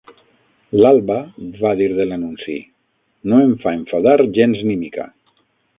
L'Alba va dir de l'anunci: No em fa enfadar gens ni mica.